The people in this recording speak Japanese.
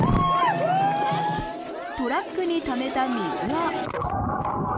トラックにためた水を。